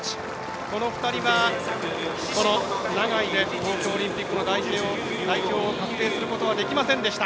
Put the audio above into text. この２人は、この長居で東京オリンピックの代表を確定することができませんでした。